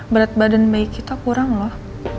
berat badan bayi kita kurang loh